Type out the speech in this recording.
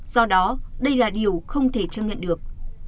do đó đây là điều không thể chấp nhận được